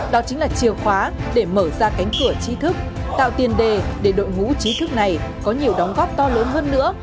đó chính là chìa khóa để mở ra cánh cửa chi thức tạo tiền đề để đội ngũ trí thức này có nhiều đóng góp to lớn hơn nữa